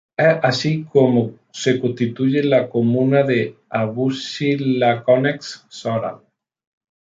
Es así como se constituye la comuna de Avusy-Laconnex-Soral.